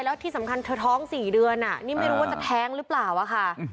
แล้วที่สำคัญเธอท้อง๔เดือนนี่ไม่รู้ว่าจะแท้งหรือเปล่าอะค่ะ